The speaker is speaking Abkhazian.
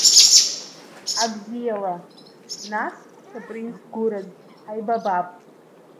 Абзиала, нас, спринц гәыраз, ҳаибабап!